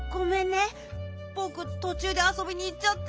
ぼくとちゅうであそびにいっちゃって。